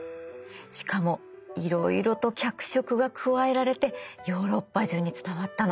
しかもいろいろと脚色が加えられてヨーロッパ中に伝わったの。